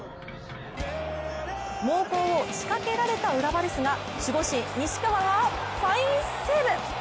猛攻を仕掛けられた浦和ですが守護神・西川がファインセーブ！